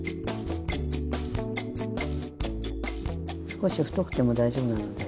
少し太くても大丈夫なので。